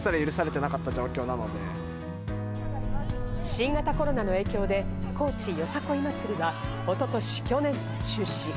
新型コロナの影響で高知よさこい祭りは一昨年、去年と中止。